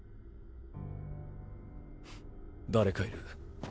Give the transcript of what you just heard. ⁉誰かいる。